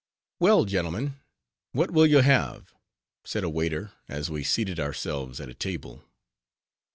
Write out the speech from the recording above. "Well, gentlemen, what will you have?"—said a waiter, as we seated ourselves at a table.